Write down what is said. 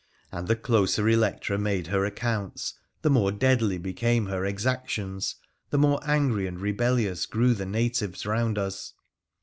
And the closer Electra made her accounts, the more deadly became her exactions, the more angry and rebellious grew the natives round us.